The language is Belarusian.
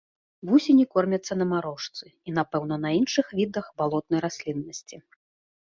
Вусені кормяцца на марошцы і, напэўна, на іншых відах балотнай расліннасці.